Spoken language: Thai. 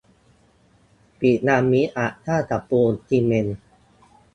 พีระมิดอาจสร้างจากปูนซีเมนต์